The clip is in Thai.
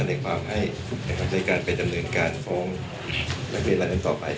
ในความให้ในการไปดำเนินการฟ้องนักเรียนรายนั้นต่อไป